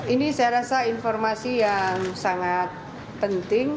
ini saya rasa informasi yang sangat penting